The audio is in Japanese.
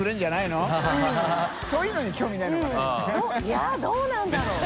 いやどうなんだろう？